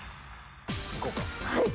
はい。